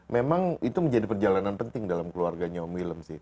memang itu menjadi perjalanan penting dalam keluarganya om willem sih